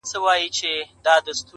پلار چوپتيا کي مات ښکاري,